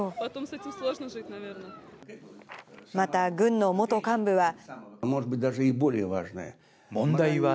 また、軍の元幹部は。